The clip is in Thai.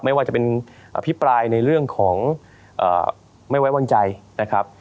ไม่ว่าจะเป็นอภิปรายในเรื่องของไม่ไว้วางใจนะครับ